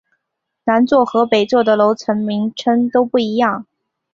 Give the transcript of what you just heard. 南座和北座的楼层名称都不一样。